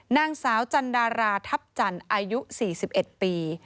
นางสาวจันดาราทัพจันทร์อายุ๔๑ปี